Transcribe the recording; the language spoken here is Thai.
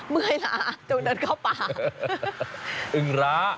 เมื่อยล้าจงเดินเข้าป่าอึงร้า